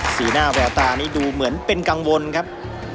สีหน้าแววตานี่ดูเหมือนเป็นกังวลครับ